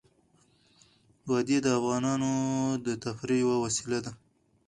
وادي د افغانانو د تفریح یوه وسیله ده.